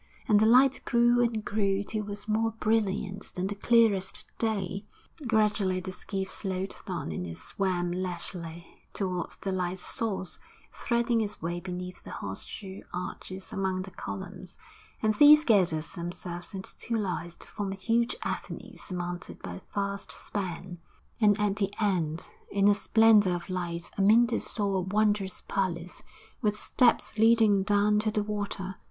And the light grew and grew till it was more brilliant than the clearest day; gradually the skiff slowed down and it swam leisurely towards the light's source, threading its way beneath the horse shoe arches among the columns, and these gathered themselves into two lines to form a huge avenue surmounted by a vast span, and at the end, in a splendour of light, Amyntas saw a wondrous palace, with steps leading down to the water.